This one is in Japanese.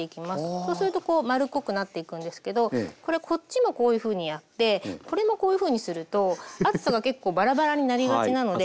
そうするとこう丸っこくなっていくんですけどこれこっちもこういうふうにやってこれもこういうふうにすると厚さが結構バラバラになりがちなので。